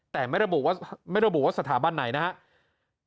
แต่ไม่ระบุว่าสถาบันไหนนะครับ